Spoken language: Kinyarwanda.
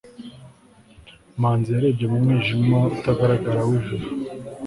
manzi yarebye mu mwijima utagaragara w'ijuru